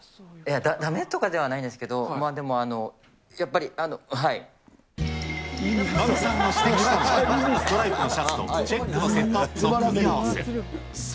だめとかではないですけど、でも、フカミさんが指摘したのは、ストライプのシャツとチェックのセットアップの組み合わせ。